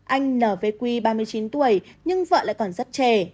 anh n v qui ba mươi chín tuổi nhưng vợ lại còn rất trẻ